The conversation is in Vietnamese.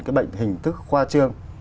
cái bệnh hình thức khoa trương